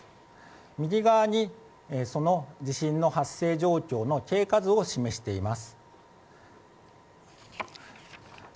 右側にその地震の発生状況の経過図を示しています。